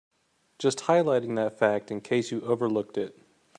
Just highlighting that fact in case you overlooked it.